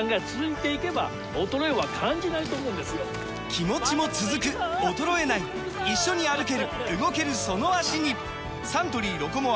気持ちも続く衰えない一緒に歩ける動けるその脚にサントリー「ロコモア」！